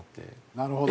なるほど。